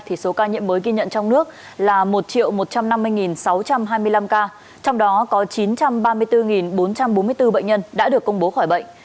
thì số ca nhiễm mới ghi nhận trong nước là một một trăm năm mươi sáu trăm hai mươi năm ca trong đó có chín trăm ba mươi bốn bốn trăm bốn mươi bốn bệnh nhân đã được công bố khỏi bệnh